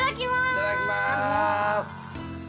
いただきまーす！